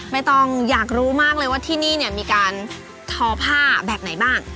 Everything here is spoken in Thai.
ไม่ต้องอยากรู้มากเลยว่าที่นี่เนี่ยมีการทอผ้าแบบไหนบ้าง